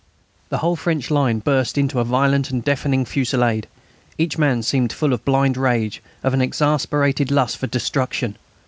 The whole French line burst into a violent and deafening fusillade. Each man seemed full of blind rage, of an exasperated lust for destruction.